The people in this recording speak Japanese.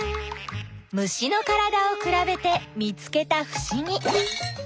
虫のからだをくらべて見つけたふしぎ。